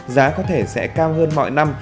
giá có thể sẽ cao hơn mọi năm